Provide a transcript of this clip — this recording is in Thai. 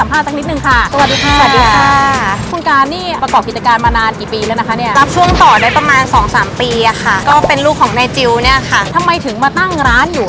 ไปประสบความสำเร็จได้ง่าย